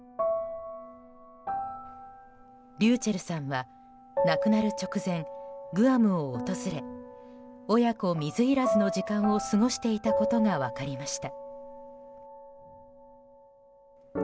ｒｙｕｃｈｅｌｌさんは亡くなる直前、グアムを訪れ親子水入らずの時間を過ごしていたことが分かりました。